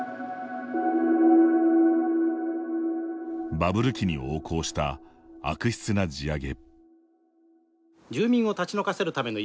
バブル期に横行した悪質な地上げ。